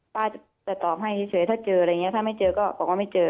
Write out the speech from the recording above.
ป้าจะตอบให้เฉยถ้าเจออะไรอย่างนี้ถ้าไม่เจอก็บอกว่าไม่เจอ